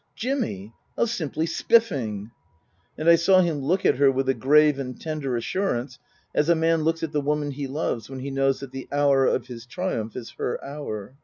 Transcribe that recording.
" Jimmy ! How simply spiffing !" And I saw him look at her with a grave and tender assurance, as a man looks at the woman he loves when he knows that the hour of his triumph is her hour.